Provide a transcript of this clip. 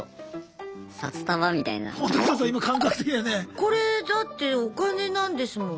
これだってお金なんですもの。